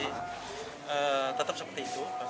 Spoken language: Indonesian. kemarin waktu pak benepet jadi tetap seperti itu